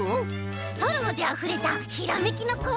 ストローであふれたひらめきのこうえんだよ！